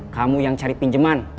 kamu yang cari pinjeman